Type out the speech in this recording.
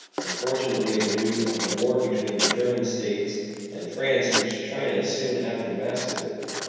Unfortunately, the news of the war between the German States and France reached China soon after the massacre.